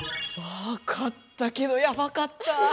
かったけどヤバかった！